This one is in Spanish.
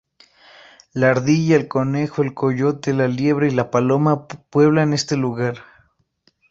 La ardilla, el conejo, el coyote, la liebre y la paloma pueblan este lugar.